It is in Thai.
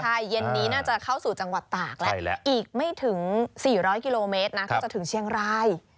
ใช่เย็นนี้น่าจะเข้าสู่จังหวัดตากแล้วอีกไม่ถึง๔๐๐กิโลเมตรนะก็จะถึงเชียงราย